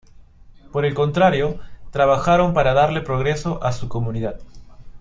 Por el contrario, trabajaron para darle progreso a su comunidad.